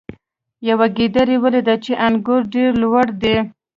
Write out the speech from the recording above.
یوې ګیدړې ولیدل چې انګور ډیر لوړ دي.